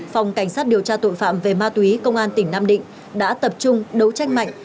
phòng cảnh sát điều tra tội phạm về ma túy công an tỉnh nam định đã tập trung đấu tranh mạnh